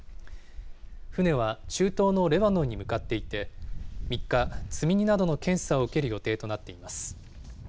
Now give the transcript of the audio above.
船は中東のレバノンに向かっていて、３日、積み荷などの検査を受ける予定となっています。